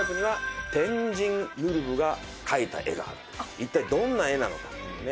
一体どんな絵なのかっていうね。